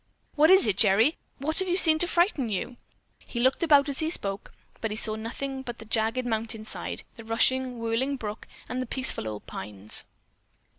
"What is it, Gerry? What have you seen to frighten you?" He looked about as he spoke, but saw nothing but the jagged mountain side, the rushing, whirling brook and the peaceful old pines.